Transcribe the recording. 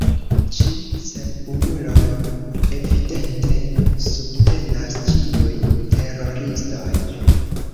Ĉi cerbumuloj evidente subtenas ĉiujn teroristojn.